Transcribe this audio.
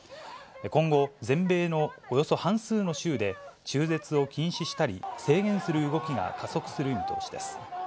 今後、全米のおよそ半数の州で、中絶を禁止したり、制限する動きが加速する見通しです。